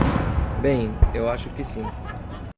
Bem, eu acho que sim.